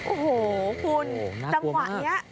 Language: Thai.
โอ้โหคุณจังหวะนี้น่ากลัวมาก